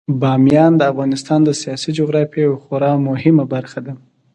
بامیان د افغانستان د سیاسي جغرافیې یوه خورا مهمه برخه ده.